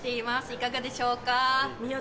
いかがでしょうか？